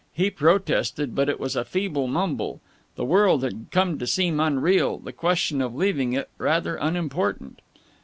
He protested but it was a feeble mumble. The world had come to seem unreal; the question of leaving it rather unimportant.